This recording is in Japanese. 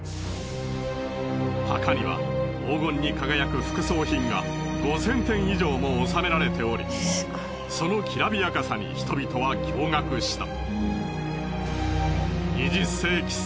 墓には黄金に輝く副葬品が５０００点以上も納められておりそのきらびやかさに人々は驚がくした。